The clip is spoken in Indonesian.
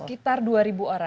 sekitar dua ribu orang